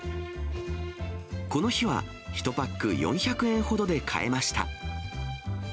この日は１パック４００円ほどで買えました。